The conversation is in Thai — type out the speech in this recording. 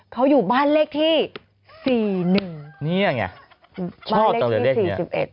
เขาอยู่บ้านเลขที่สี่หนึ่งนี่ไงบ้านเลขที่สี่สิบเอ็ด